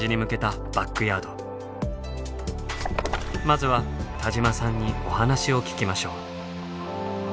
まずは田島さんにお話を聞きましょう。